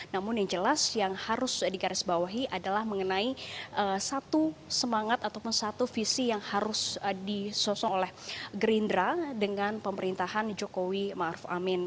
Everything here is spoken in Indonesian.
namun yang jelas yang harus digarisbawahi adalah mengenai satu semangat ataupun satu visi yang harus disosok oleh gerindra dengan pemerintahan jokowi ⁇ maruf ⁇ amin